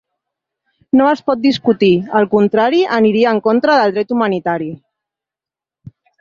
No es pot discutir, el contrari aniria en contra del dret humanitari.